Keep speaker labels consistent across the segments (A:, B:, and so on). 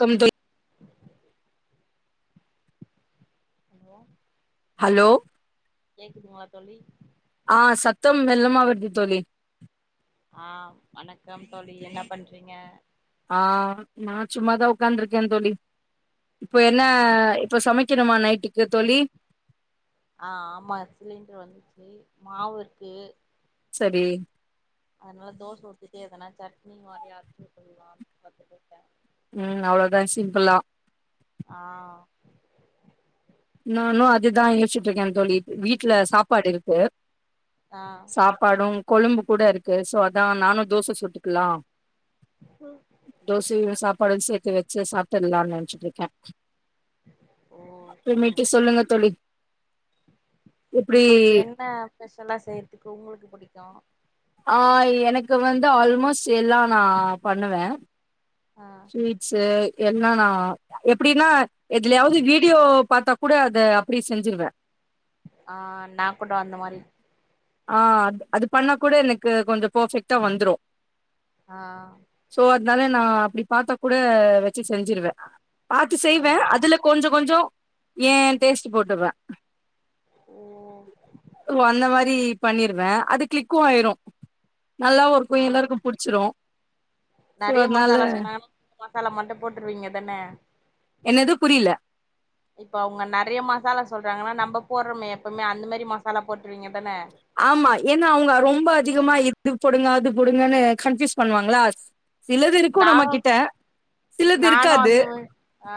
A: come தொய்
B: hello
A: hello
B: கேக்குதுங்கள தோழி
A: ஆ சத்தம் மெல்லமா வருது தோழி
B: ஆ வணக்கம் தோழி என்ன பண்றீங்க
A: ஆ நா சும்மாதா உட்காந்துருக்கேன் தோழி இப்போ என்ன
B: ஆ
A: இப்ப சமைக்கணுமா நைட்டுக்கு தோழி
B: ஆ ஆமா சிலிண்டர் வந்துச்சு மாவு இருக்கு
A: சேரி
B: அதனால தோச வுத்திட்டுட்டே எதனா சட்னி மாரி அரச்சு உதலானு பத்துட்டே இருக்கே
A: ம் அவ்ளோதா சிம்பிளா
B: ஆ
A: நானு அதுதா யோசிச்சிட்டு இருக்கேன் தோழி வீட்டுல சாப்பாடு இருக்கு
B: ஆ
A: சாப் பாடும் கொழும்பு கூட இருக்கு சோ அதா நானு தோச சுட்டுக்கலா
B: ம்
A: தோசையு சாப்பாடுன்னனு சேத்து வச்சு சாப்பிட்டுடலாம்னு நெனைச்சிட்டு இருக்கே
B: ஓ
A: அப்புரோ மேட்டு
B: சரிங்க சரி
A: சொல்லுங்க தோழி எப்டி
B: உங்களுக்கு என்ன ஸ்பெஷலா செய்றதுக்கு உங்களுக்கு புடிக்கு
A: ஆ எனக்கு வந்து ஆல்மோஸ்ட் எல்லா நா பண்ணுவே
B: ஆ
A: ஸ்வீட்ஸ்சு எல்லா நா எப்டினா எதுலயாவது வீடியோ பாத்தா கூட அத அப்டியே செஞ்சிருவ
B: ஆ நா கூட அந்த மாறி
A: ஆ அ அது பண்ணா கூட எனக்கு கொஞ்சோ பர்ஃபெக்ட்டா வந்துரு
B: ஆ
A: சோ அதனால நா அப்டி பாத்த கூட வச்சி செஞ்சிருவ பாத்து
B: ஆ
A: செய்வ அதுலக் கொஞ்சோ கொஞ்சோ எ டேஸ்ட் டு போட்டுருவே
B: ஓ
A: ஓ அந்த மாறி பண்ணிருவ அது கிளிக்கு ஆயிரு நல்லாவு இருக்கு எல்லாருக்கு புடிச்சிரு சோ
B: நெறையா
A: அதனால
B: மசாலா சொன்ன மசாலா மட்டு போட்டுருவீங்க தான்ன
A: என்னது புரியல
B: இப்ப அவங்க நெறையா மாசாலா சொல்றாங்கன்னா நம்ம போடுறோமே எப்வுமே அந்த மாரி மாசா பாலா போட்டுருவீங்க தான
A: ஆமா ஏன்னா அவங்க ரொம்ப அதிகமா இது போடுங்க அது போடுங்கன்னு கண்பியூஸ் பண்ணுவாங்களா சிலது இருக்கு நம்ம
B: நானு
A: கிட்ட சிலது
B: நானு
A: இருக்காது
B: அந்த மாரி ஆ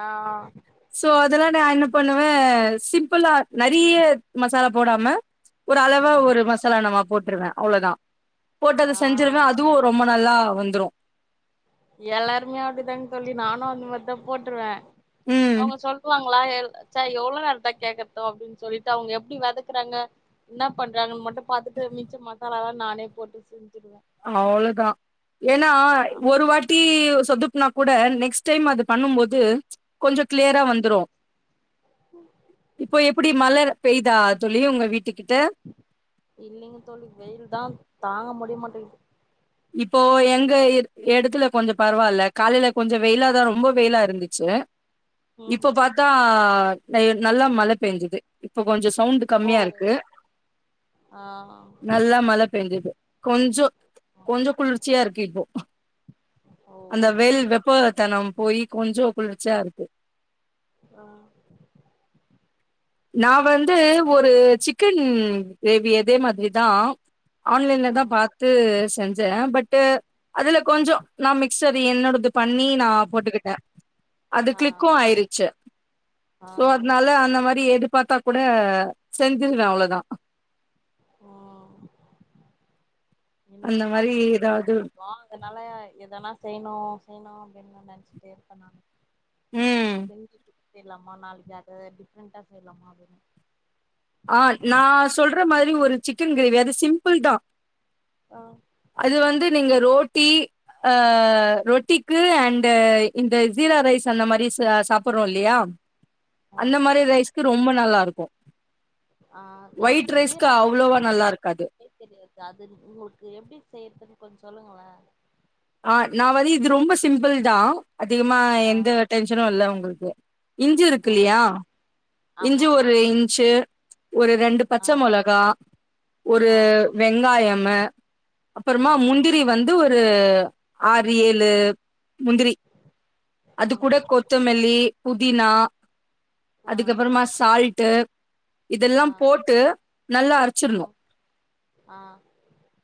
A: சோ அதெல்லா நா என்ன பண்ணுவே சிம்பிளா நெறையா மசாலா போடாம ஒரு அளவா
B: ம்
A: ஒரு மசாலா நம்ம போட்டுருவேன் அவ்வளவுதான் போட்டு
B: ஆ
A: அத செஞ்சிருவேன் அதுவும் ரொம்ப நல்லா வந்துரும்
B: எல்லாருமே அப்படிதாங்க தோழி நானும் அந்த மாதிரி தான் போட்டுருவேன்
A: ம்
B: அவங்க சொல்லுவாங்க ச்சே எவ்ளோ நேரதான கேக்கற்தோ அப்டின்னு சொல்லிட்டு அவங்க எப்டி வதக்குறாங்க என்ன பண்றாங்கன்னு மட்டு பாத்துட்டு மிச்ச மசால எல்லா நானே போட்டு செஞ்சுடுவேன்
A: ஆமா அவ்ளதா ஏன்னா ஒரு வாட்டி டி சொதுப்புனா கூட நெக்ஸ்ட் டைம் அது பண்ணு போது கொஞ்சோ கிளியரா வந்துரும்
B: கூ
A: இப்போ எப்டி மழ பெய்தா தோழி உங்க வீட்டு கிட்ட
B: இல்லங்க தோழி வெயில் தா தாங்க முடிய மாட்டேங்குது
A: இப்போ எங்க எட எடத்துல கொஞ்சோ பரவாயில்ல காலேல கொஞ்சோ வெயிலாதானோ ரொம்ப வெயிலா இருந்துச்சி
B: ம்
A: இப்ப பாத்தா நல்ல மழ பெய்ஞ்சது இப்ப கொஞ்சோ சவுண்ட்
B: ஓ
A: கம்மியா இருக்கு
B: ஆ
A: நல்லா மழ பெயஞ்சது கொஞ்சோ கொஞ்சோ குளிர்ச்சியா இருக்கு இப்போ
B: ஓ
A: அந்த வெல்
B: சரி
A: வெப்பத்தனம் போய் கொஞ்சோ குளிர்ச்சியா இருக்கு
B: ஆ
A: நா வந்து ஒரு சிக்கன் கிரேவி இதே மாதிரி தா ஆன்லைன்ல தா
B: ஆ
A: பாத்து செஞ்சேன் பட்டு அதுல கொஞ்சோ நா மிக்ஸ் அது என்னோடது பண்ணி நா போட்டுக்கிட்டேன் அது
B: ஆ
A: க்ளிக்கும் ஆயடுச்சு
B: ஆ
A: சோ அதனால அந்த டி எது பாத்தா கூட செஞ்சிருவ அவ்ளதா
B: ஒ எனக்கு
A: அந்த மாரி
B: சமைக்கறது ரொம்ப
A: ஏதாவது
B: புடிக்கும் அதனால எதன்னா செய்ணு செய்ணு அப்டின்னு நெனச்சிட்டே இருப்ப நானு
A: ம்
B: லிங்கு குத்திர்லாமா நாளைக்கு அத டிஃப்ரெண்டா செய்யலாமா அப்டின்னு
A: ஆ நா சொல்ற மாறி ஒரு சிக்கன் கிரேவி அது சிம்பிள் தா
B: ஆ
A: அது வந்து நீங்க ரோட்டி அ ரொட்டிக்கு அண்டு இந்த ஜீரா ரைஸ் அந்த மாறி ச சாப்டுறோம் இல்லியா
B: ஆ
A: அந்த மாறி ரைஸ்க்கு ரொம்ப நல்லா இருக்கும்
B: ஆ எனக்கு
A: ரைஸ்க்கு
B: ஜீரா ரைஸ்
A: அவ்ளோவா
B: கீ
A: நல்லா இருக்காது
B: ஃபர்ஸ்ட் தெரியாது அது உங்களுக்கு எப்டி செய்யறதுன்னு கொஞ்சோ சொல்லுங்களே
A: ஆ நா வழி இது ரொம்ப சிம்பிள் தான் அதிகமா
B: ஆ
A: எந்த டென்ஷனும் இல்ல உங்களுக்கு இஞ்சு
B: ஆ
A: இருக்குல்லையா இஞ்சி
B: ஆமா
A: ஒரு இன்ச்சு ஒரு ரெண்டு பச்ச
B: ஆ
A: மொளகா ஒரு
B: ஆ
A: வெங்காயம்மு
B: ஆ
A: அப்புறமா முந்தி ரி வந்து ஒரு ஆறு ஏழு முந்திரி அது
B: ம்
A: கூட கொத் கொத்தமல்லி புதினா
B: ஆ
A: அதுக்கப்புறமா சால்ட்டு
B: ஆ
A: இதெல்லாம் போட்டு நல்லா
B: ம்
A: அரைச்சிரணும்
B: ஆ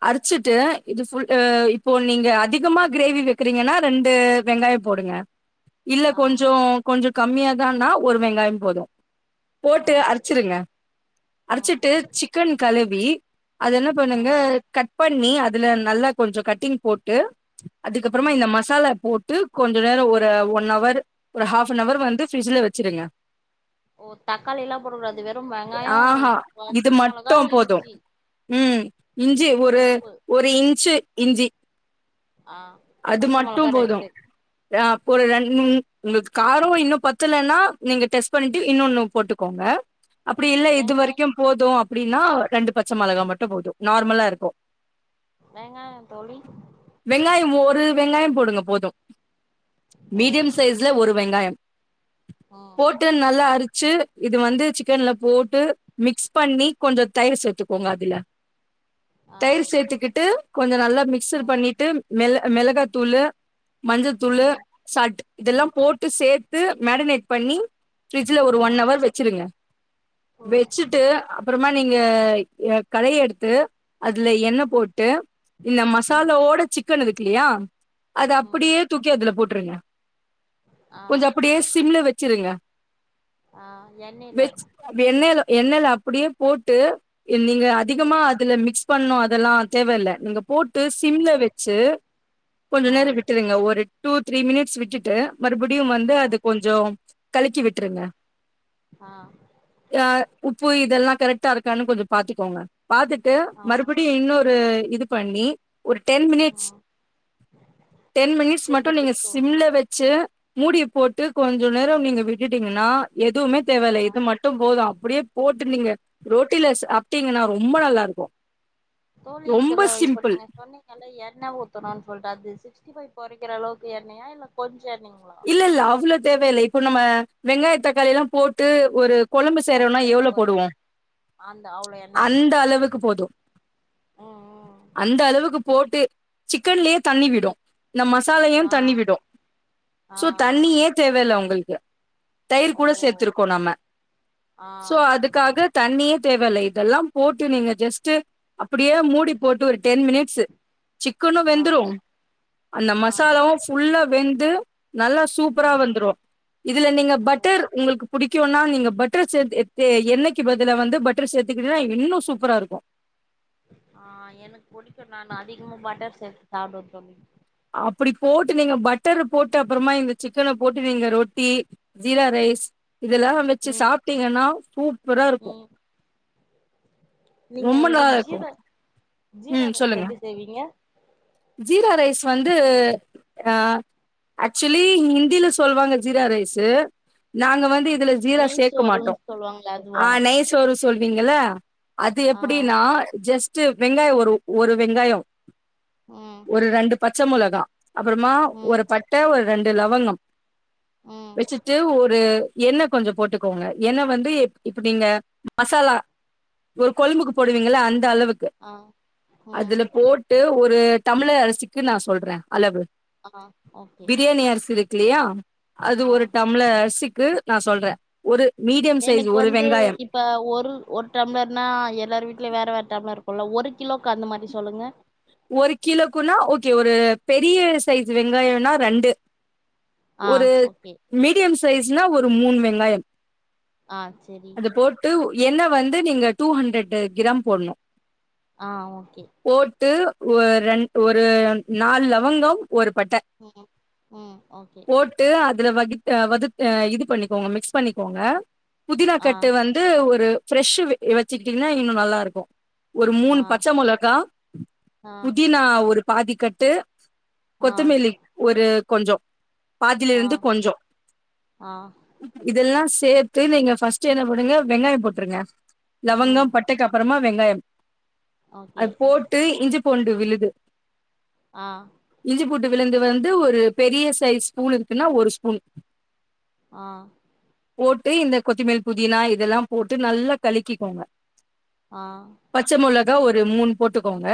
A: அரைச்சிட்டு இது புல் அ இப்போ நீங்க அதிகமா கிரேவி வைக்கறீங்கன்னா ரெண்டு வெங்காயம் போடுங்க இல்ல
B: ஆ
A: கொஞ்சோ கொஞ்சம் கம்மியாதான்னா ஒரு வெங்காயம் போதும்
B: ஆ
A: போட்டு அரைச்சிருங்க
B: ம்
A: அரைச்சிட்டு சிக்கன் கழுவி அது என்ன பண்ணுங்க
B: ம்
A: கட் பண்ணி அதுல நல்லா கொஞ்சம் கட்டிங் போட்டு அதுக்கப்புறமா
B: ம்
A: இந்த மசாலா போட்டு கொஞ்ச நேரம் ஒரு ஒன் அவர் ஒரு ஹாப் நவர் வந்து பிரிட்ஜில வெச் வெச்சிருங்க
B: ஓ தக்காளி எல்லா போடக்கூடாது வெறும் வெங்காயோ
A: ஆஹா இது
B: பச்சமொளகா
A: மட்டு போது
B: இஞ்சி
A: ம் இஞ்சி ஒரு
B: உப்பு
A: ஒரு இன்ச்சு இஞ்சி
B: ஆ
A: அது
B: பச்ச
A: மட்டு
B: மொளகா
A: போதும்
B: ரெண்டு
A: ஆ பொரு ரெண்டு மூன் உங்குளுக்கு காரோ இன்னு பத்தலன்னா நீங்க டெஸ் பண்ணிட்டு இன்னோன்னு போட்டுக்கோங்க அப்டி இல்ல இது
B: வெங்காய்
A: வரைக்கும் போது அப்டீன்னா ரெண்டு பச்ச மொளகா மட்டு போது நார்மலா இருக்கோ
B: வெங்காயோ தோழி
A: வெங்காயோ ஒரு வெங்காயோ போடுங்க போதும்
B: ஓ
A: மீடியம் சைஸ்ல
B: சேர் ஆ
A: சிக்கன் நல்லா அரிச்சு இது வந்து சிக்கன்ல போட்டு மிக்ஸ் பண்ணி கொஞ்சோ தயிர் சேத்துக்கோங்க அதுல
B: ஆ
A: தயிர் சேத்துக்கிட்டு கொஞ்சோ நல்லா மிக்ஸ்டு
B: ம்
A: பண்ணிட்டு மெள மெளகாத்தூளு மஞ்சத்தூளு
B: ம்
A: சால்ட்டு இதெல்லா
B: ம்
A: போட்டு சேத்து மேரினேட் பண்ணி ஃபிரிட்ஜுல ஒரு
B: ஆ
A: ஒன் அவர் வெச் சிருங்க
B: ம்
A: வெச்சுட்டு அப்புறமா நீங்க கடைய எடுத்து அதுல எண்ணெ போட்டு இந்த
B: ம்
A: மசாலாவோட சிக்கன் இருக்குல்லயா அது
B: ம்
A: அப்டியே தூக்கி அதுல போட்டுருங்க
B: ஆ
A: கொஞ்சோ அப்டியே சிம்ல வெச்சிருங்க
B: ஆ எண்ணெய்ல
A: அப்டி எண்ணெய்ல எண்ணெய்ல அப்டியே போட்டு நீங்க அதிகமா
B: ம்
A: அதுல மிக்ஸ் பண்ணோ அதெல்லா தேவ இல்ல நீங்க போட்டு
B: ம்
A: சிம்ல வெச்சு கொஞ்ச
B: ஆ
A: நேரம் விட்டுருங்க ஒரு டூ த்ரீ மினிட்ஸ் விட்டுட்டு மறுபடியு வந்து
B: ஆ
A: அது கொஞ்சோ கலிக்கி விட்டுருங்க
B: ஆ
A: யா உப்பு இதெல்லா கரெக்டா இருக்கான்னு கொஞ்சோ பாத்துக்கோங்க பாத்து ட்டு
B: ஆ
A: மறுபடியு இன்னோரு இது பண்ணி ஒரு டென் மினிட்ஸ்
B: ம்
A: டென் மினிட்ஸ்
B: திருப்பி
A: மட்டு நீங்க
B: திருப்பி வுடணு
A: சிம்ல வெச் சு மூடிய போட்டு கொஞ்சோ நேரம் நீங்க விட்டுட்டீங்கன்னா எதுவுமே தேவ
B: ஆ
A: இல்ல இது மட் டும் போது அப்புடியே போட்டு நீங்க ரோட்டில சாப்பிட்டீங்கன்னா ரொம்ப நல்லா இருக்கோ
B: தோழி இதுல இப்ப நீங்க சொன்னீங்க ல்ல எண்ண ஊத்தணோனு சொல்ட்டு அது சிக்ஸ்டி ஃபைவ் பொறிக்கிற அளவுக்கு எண்ணயா இல்ல கொஞ்சோ எண்ணயுங்களா
A: இல்ல இல்ல அவ்ளோ தேவ இல்ல இப்போ நம்ம வெங்காயோ தக்காளிலா போட்டு ஒரு கொலம்பு செய்றோனா எவ்ளோ
B: வதக்கறதுக்கு ஒரு
A: போடுவோ
B: அந்த அவ்ளோ எண்ண
A: அந்த அளவுக்கு போதும்
B: ம் ம்
A: அந்த அளவுக்கு போட்டு சிக்கன்லயே தண்ணி விடு இந்த மசாலையு
B: ஆ
A: தண்ணி விடு
B: ஆ
A: சோ
B: ஆ
A: தண்ணியே தேவல்ல உங்களுக்கு தயிர்
B: ஓ
A: கூட சேத்திருக்கோ நம்ம
B: ஆ
A: சோ அதுக் க்காக தண்ணிய தேவ இல்ல இதெல்லா போட்டு நீங்க ஜெஸ்ட்டு அப்டியே மூடி போட்டு ஒரு டென் மினிட்ஸ்சு சிக்கனு
B: ஆ
A: வெந்துறோ அந்த
B: ஆ
A: மசாலாவு ஃபுல்லா வெந்து நல்லா
B: ஆ
A: சூப்பரா வந்துரோ இதுல நீங்க
B: ஓ
A: பட்டர் உங்களுக்கு புடிக்கோனா நீங்க பட்டர் சேத்து எ எண்ணெய்க்கு பதிலா வந்து பட் டர் சேத்துக்கிட்டனா இன்னு சூப்பரா இருக்கோ
B: ஆ எனக்கு பிடிக்கோ நா அதிகமா பட்டர் சேத்து சாப்பிடவ தோழி
A: அப்புடி போட்டு நீங்க பட்டரு போட்டு அப்புறமா இந்த சிக்கன போட்டு நீங்க ரொட்டி ஜீரா ரைஸ் இதெல்லா வெச்சு
B: ம்
A: சாப்பிட்டீங்கன்னா சூப்பரா இருக்கோ
B: ம் நீங்க
A: ரொம்ப
B: அந்த
A: நல்லா இருக்கு
B: ஜீரா ஜீரா
A: ம்
B: ரைஸ்
A: சொல்லுங்க
B: எப்டி செய்வீங்க
A: ஜீரா ரைஸ் வந்து ஆ ஆக்சுவலி ஹிந்தியில சொல்லுவாங்க ஜீரா ரைஸு நாங்க வந்து இதுல ஜீரா
B: நெய்
A: சேக்க
B: சோறுன்
A: மாட்டோ
B: சொல்லுவாங்களே
A: ஆ
B: அதுவா
A: நைஸ் சொல்வீங்கல்ல அது
B: ஆ
A: எப்டின்னா ஜஸ்ட் வெங்காயோ ஒரு ஒரு வெங்காயோ
B: ம்
A: ஒரு ரெண்டு பச்சை மொளகா அப்புறமா ஒரு
B: ம்
A: பட்ட ஒரு ரெண்டு லவங்கம்
B: ம்
A: வச்சுட்டு ஒரு எண்ண கொஞ்சோ போட்டுக்கோங்க எண்ண வந்து இப்ப நீங்க மசாலா ஒரு கொழ்புக்கு போடுவீங்களா அந்த அளவுக் கு
B: ஆ ம்
A: அதுல போட்டு ஒரு டம்ளர் அரிசிக்கு நா சொல்ற அளவு
B: ஆ ஓகே
A: பிரியாணி அரிசி இருக்குலையா அது
B: ஆ
A: ஒரு டம்ளர் அரிசிக்கு நா சொல்ற ஒரு மீடியம் சைஸ்
B: எனக்கு
A: ஒரு
B: வந்து
A: வெங்காயம்
B: இப்ப ஒரு ஒரு டம்ளர்னா எல்லார் வீட்லேயு வேற வேற டம்ளர் இருக்குல்ல ஒரு கிலோவுக்கு அந்த மாதிரி சொல்லுங்க
A: ஒரு கிலோக்குன்னா ஓகே ஒரு பெரிய சைஸ் வெங்காயோனா ரெண்டு
B: ஆ
A: ஒரு
B: ஓகே
A: மீடியம் சைஸ்னா ஒரு மூண் வெங்காயம்
B: ஆ செரி
A: அது போட்டு எண்ண வந்து நீங்க டூ ஹண்ட்ரட் கிராம் போட்ணு
B: ஆ ஓகே
A: போட்டு ஒரு ரெண் ஒரு நால் லவங்கம் ஒரு பட்ட
B: ம்கு ம் ஓகே
A: ட்டு அதுல வகு வகு இது பண்ணிக்கோங்க மிக்ஸ் பண்ணிக்கோங்க புதினா
B: ஆ
A: கட்டு வந் ஒரு ப்ரெஷு வச்சுட்டீங்கன்னா இன்னு நல்லா இருக்கு ஒரு மூணு
B: ஆ
A: பச்ச மொளகா
B: ஆ
A: புதினா ஒரு பாதி கட்டு
B: ஆ
A: கொத்தமல்லி ஒரு கொஞ்சோ
B: ஆ
A: பாதிலேந்து கொஞ்சோ
B: ஆ
A: இதெல்லா சேத்து நீங்க ஃபஸ்ட்டு என்ன போடுங்க வெங்காயம் போட்ருங்க
B: ம்
A: லவங்கம் பட் டைக்கு அப்பறமா வெங்காயம்
B: ஓகே
A: அது போட்டு இஞ்சி பூண்டு விழுது
B: ஆ
A: இஞ்சிபூண்டு விழுந்து வந்து ஒரு பெரிய சைஸ் ஸ்பூல் இருக்குன்னா ஒரு ஸ்பூன்
B: ஆ
A: போட்டு இந்த கொத்திமல்லி புதினா இதெல்லா போட்டு நல்லா கழிக்கிக்கோங்க
B: ஆ
A: பச்ச மொளகா ஒரு மூணு போட்டுக்கோங்க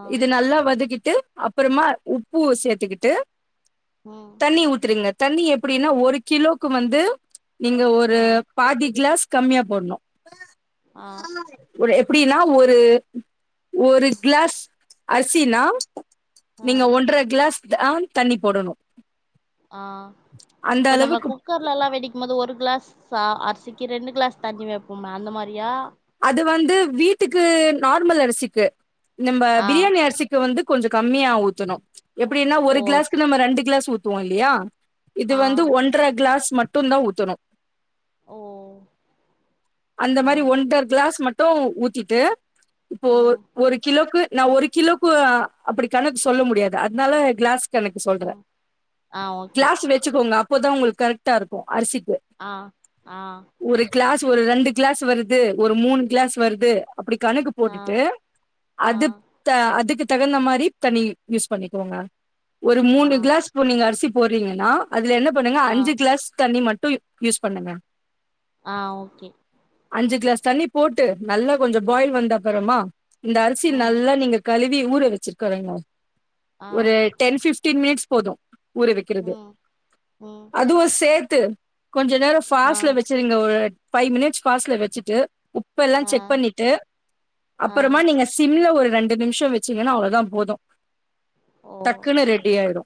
B: ஆ
A: இது நல்லா வதக்கிட்டு அப்றமா உப்பு சேத்துக்கிட்டு
B: ம்
A: தண்ணி ஊத்துருங்க தண்ணி எப்டின்னா ஒரு கிலோக்கு வந்து நீங்க ஒரு
B: ஆ
A: பாதி கிளாஸ் கம்மியா போட்ணு
B: ஆ
A: எப்டின்னா ஒரு ஒரு கிளாஸ் அரிசினா
B: ஆ
A: நீங்க ஒன்ற கிளாஸ் அஹ் தண்ணி போடணு
B: ஆ
A: அந்த
B: இப்ப நம்ம கு
A: அளவுக்கு
B: குக்கர்ல எல்லா வெடிக்கு போது ஒரு கிளாஸ் ச அரிசிக்கு ரெண்டு கிளாஸ் தண்ணி வெப்போம அந்த மாரியா
A: அது வந்து வீட்டுக்கு நார்மல் அரிசிக்கு நம்ப
B: ஆ
A: பிரியாணி அரிசிக்கு வந்து கொஞ்ச கம்மியா ஊத்தணு எப்டின்னா ஒரு
B: ஓ ஸ்
A: கிளாஸ்க்கு நம்ம ரெண்டு கிளாஸ் ஊத்துவோ இல்லையா இது
B: ஆ
A: வந்து ஒன்ர கிளாஸ் மட்டு தா ஊத்தணு
B: ஓ
A: அந்த
B: ஆ
A: மாரி ஒன்டர் கிளாஸ் மட்டு ஊத்திட்டு இப்போ
B: ம்
A: ஒரு கிலோக்கு நா ஒரு கிலோக்கு அப்டி கணக் சொல்ல முடியாது அத்னால கிளாஸ் கணக்கு சொல்ற
B: ம் ஆ ஓகே
A: கிளாஸ் வச்சுக்கோங்க அப்போதா உங்களுக்கு கரெக்ட்டா இருக்கு அரிசிக்கு
B: அ அ
A: ஒரு கிளாஸ் ஒரு ரெண்டு கிளாஸ் வருது ஒரு மூணு கிளாஸ் வருது அப்டி கணக்கு
B: ஆ
A: போட்டுட்டு
B: ஆ
A: அது தா அதுக்கு தகுந்த மாரி தண்ணி யூஸ் பண்ணிக்கோங்க ஒரு
B: ஆ
A: மூணு கிளாஸ் கு நீங்க அர்சி போட்றீங்கன்னா அதுல என்ன பண்ணுங்க
B: ஆ
A: அஞ்சு கிளாஸ் தண்ணி மட்டு ப் யூஸ் பண்ணுங்க
B: ஆ ஓகே
A: அஞ்சு கிளாஸ் தண்ணி போட்டு நல்லா கொஞ்சோ பாயில்
B: ம்
A: வந்தப்பறமா இந்த அர்சி
B: ம்
A: நல்லா நீங்க கழுவி ஊற வச்சிகாரேன்னு
B: ஆ
A: ஒரு டென் ஃபிப்டின் மினிட்ஸ் போது ஊற வெக்கிறது
B: ம் ம்
A: அதுவு சேத்து கொஞ்ச நேரோ
B: ஆ
A: ஃபாஸ்ட்ல வச் செரிங்க ஒரு ஃபைவ் மினிட்ஸ் ஃபாஸ்ட்ல வச்சிட்டு உப் எல்லா
B: ஆ
A: செக் பண்ணிட்டு
B: ஆ
A: அப்பறமா நீங்க சிம்ல ஒரு ரெண்டு நிம்ஷோ வச்சீங்கன்னா அவ்ளோதா போது
B: ஓ
A: டக்குன்னு ரெடியா ஆயிடு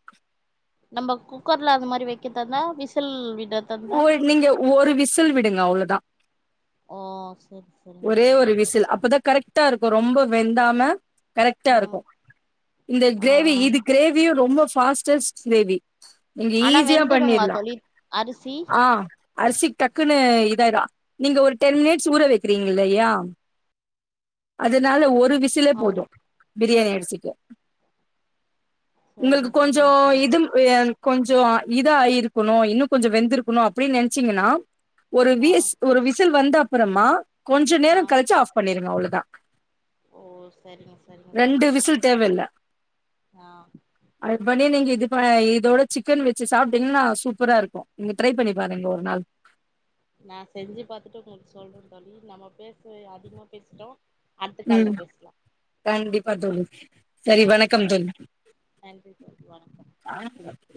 B: நம்ம குக்கர்ல அந்த மாரி வெக்கிறதா விசில் விட
A: போய் நீங்க ஒரு விசில் விடுங்க அவ்ளோதா
B: ஓ செர் செ
A: ஒரே ஒரு விசில் அப்பதா கரெக்ட்டா இருக்கு ரொம்ப வெந்தாம கரெக்ட்டா இருக்கு
B: ம்
A: இந்த
B: ஆ
A: கிரேவி இது கிரேவியு ரொம்ப ஃபாஸ்டஸ்ட் கிரேவி நீங்க
B: ஆனா
A: ஈஸியா
B: வெந்துடுங்களா
A: பண்ணிர்லா
B: தோழி அரிசி
A: ஆ அர்சிக் டக்குன்னு இதாயிடு நீங்க ஒரு டென் மினிட்ஸ் ஊற வை க்கிறீங்க இல்லையா அதனால ஒரு விசிலே
B: ஓ
A: போது பிரியாணி அர்சிக்கு உங்களுக்கு
B: சரிங்க
A: கொஞ்சோ
B: சரிங்க தோழி
A: இதுங் யன் கொஞ்சோ இத ஆயிருக்கணு இன்னு கொஞ்சோ வெந்துருக்கணு அப்டின்னு நென்ச்சீங்கென்னா ஒரு
B: ஆ
A: விஸ் ஒரு விசில் வந்த அப்பறமா கொஞ்ச நேர
B: ஆ
A: கழிச்சு ஆஃப் பண்ணிருங்க அவ்ளோதா
B: ஓ சரிங்க சரிங்க
A: ரெண்டு
B: தோழி
A: விசில் தேவயில்ல
B: ஆ
A: அது பண்ணி நீங்க இதுப இதோட சிக்கன் வச்சு சாப்டிங்ன்னா சூப்பரா இருக்கு நீங்க ட்ரை பண்ணி பாருங்க ஒரு நாள்
B: நா செஞ்சு பாத்துட்டு உங்களுக்கு சொல்ற தோழி நம்ம பேசே அதிகமா பேசிட்டோ அடுத்த
A: உம்
B: கால்ல பேசலா
A: கண்டிப்பா தோழி செரி
B: ஆ
A: வணக்கம் தொழி
B: நன்றி தொழி வணக்கம்
A: ஆ சொல்றார்